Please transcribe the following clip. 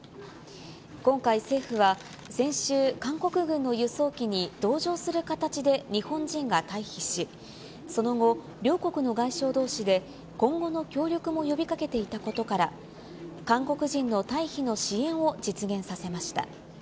今回、政府は先週、韓国軍の輸送機に同乗する形で日本人が退避し、その後、両国の外相どうしで今後の協力も呼びかけていたことから、韓国人の退避の支援を実現させました。